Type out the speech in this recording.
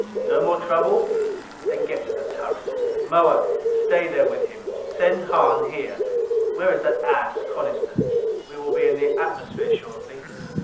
No more trouble? Then get into the turret. Moa, stay there with him. Send Hahn here. Where is that ass, Coniston? We will be in the atmosphere shortly."